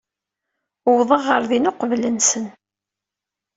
Uwḍeɣ ɣer din uqbel-nsen.